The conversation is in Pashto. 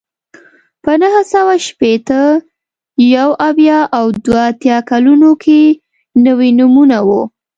په نهه سوه شپېته، یو اویا او دوه اتیا کلونو کې نوي نومونه وو